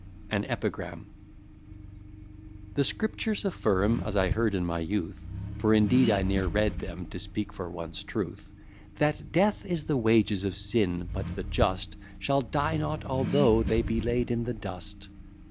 _] AN EPIGRAM The scriptures affirm (as I heard in my youth, For indeed I ne'er read them, to speak for once truth) That death is the wages of sin, but the just Shall die not, although they be laid in the dust.